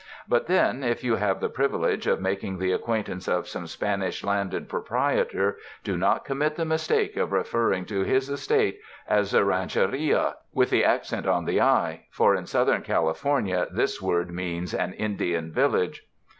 But then, if you have the privilege of making the acquaintance of some Spanish landed proprietor, do not commit the mistake of referring to his estate as a "rancheria" (with the accent on the i), for in Southern California this word means an Indian village.